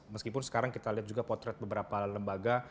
meskipun sekarang kita lihat juga potret beberapa lembaga